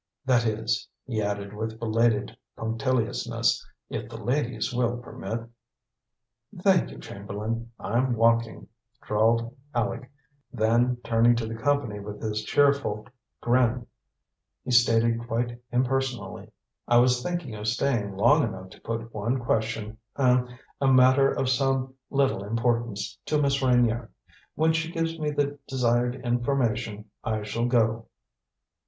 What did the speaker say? That is," he added with belated punctiliousness, "if the ladies will permit?" "Thank you, Chamberlain, I'm walking," drawled Aleck; then turning to the company with his cheerful grin he stated quite impersonally: "I was thinking of staying long enough to put one question er, a matter of some little importance to Miss Reynier. When she gives me the desired information, I shall go."